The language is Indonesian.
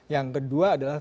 yang kedua adalah